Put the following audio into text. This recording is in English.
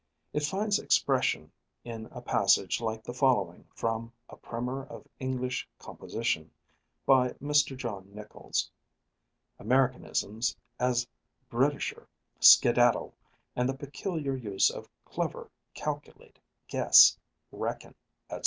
It finds expression in a passage like the following from a Primer of English Composition, by Mr. John Nichols: "Americanisms, as 'Britisher,' 'skedaddle,' and the peculiar use of 'clever,' 'calculate,' 'guess,' 'reckon,' etc.